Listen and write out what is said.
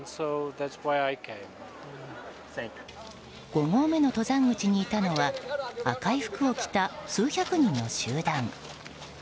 ５合目の登山口にいたのは赤い服を着た数百人の集団。